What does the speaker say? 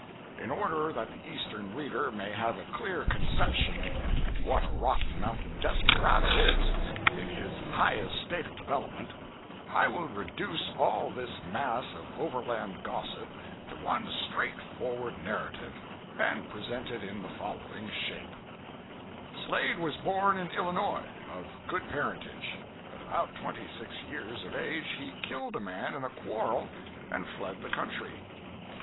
In order that the eastern reader may have a clear conception of what a Rocky Mountain desperado is, in his highest state of development, I will reduce all this mass of overland gossip to one straightforward narrative, and present it in the following shape: Slade was born in Illinois, of good parentage. At about twenty six years of age he killed a man in a quarrel and fled the country.